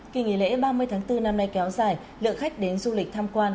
kỳ nghỉ lễ ba mươi tháng bốn năm nay kéo dài lượng khách đến du lịch tham quan